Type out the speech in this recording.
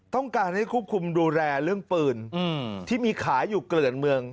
ต้องการให้ควบคุมดูแลเรื่องปืนที่มีขายอยู่เกลื่อนเมือง